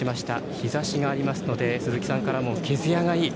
日ざしがありますので鈴木さんからも毛づやがいい。